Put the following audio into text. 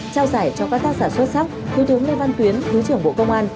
trao giải cho các tác giả xuất sắc thứ thướng lê văn tuyến thứ trưởng bộ công an